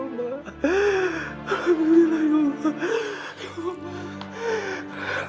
alhamdulillah ya allah